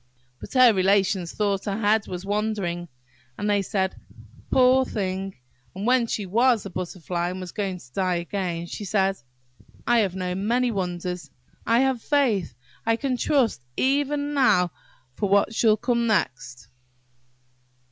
But her relations thought her head was wandering, and they said, "Poor thing!" And when she was a Butterfly, and was going to die again, she said– "I have known many wonders–I have faith–I can trust even now for what shall come next!"